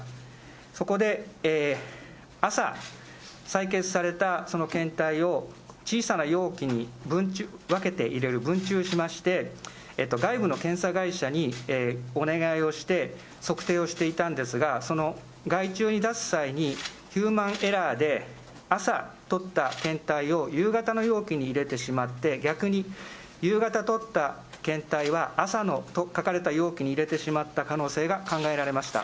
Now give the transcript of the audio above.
そこで、朝採血されたその検体を、小さな容器に分けて入れる、ぶんちゅうしまして、外部の検査会社にお願いをして、測定をしていたんですが、その外注に出す際に、ヒューマンエラーで、朝採った検体を夕方の容器に入れてしまって、逆に夕方採った検体は朝と書かれた容器に入れてしまった可能性が考えられました。